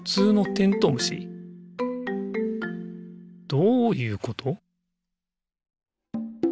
どういうこと？